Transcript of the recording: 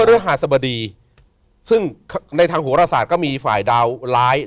ฤหัสบดีซึ่งในทางโหรศาสตร์ก็มีฝ่ายดาวร้าย